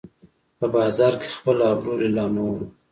په بازار کې خپل ابرو لیلامومه